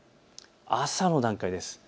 朝の段階です。